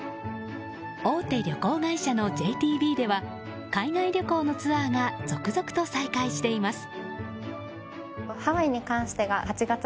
大手旅行会社のＪＴＢでは海外旅行のツアーが続々と再開しています。